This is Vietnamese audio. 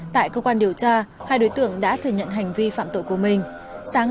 tại cơ quan điều tra hai đối tượng đã thừa nhận hành vi phạm tội của mình